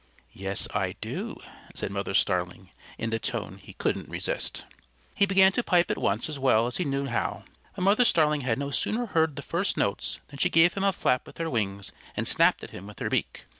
"Yes, I do," said Mother Starling in the tone he couldn't resist. He began to pipe at once as well as he knew how. But Mother Starling had no sooner heard the first notes than she gave him a flap with her wings and snapped at him with her beak.